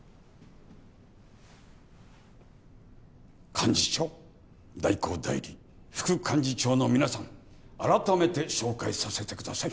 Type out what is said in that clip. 幹事長代行代理副幹事長の皆さん改めて紹介させてください。